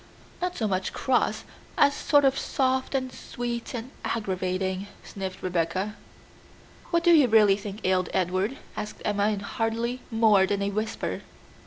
"Not so much cross, as sort of soft, and sweet, and aggravating," sniffed Rebecca. "What do you really think ailed Edward?" asked Emma in hardly more than a whisper.